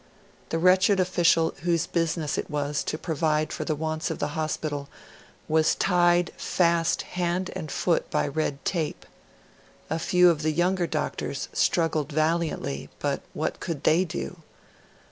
The wretched official whose business it was to provide for the wants of the hospital was tied fast hand and foot by red tape. A few of the younger doctors struggled valiantly, but what could they do?